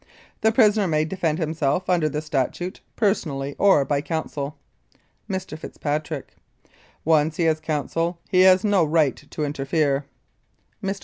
: The prisoner may defend himself under the statute, personally or by counsel. Mr. FITZPATRICK: Once he has counsel he has no right to interfere. Mr.